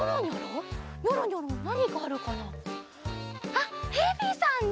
あっヘビさんね！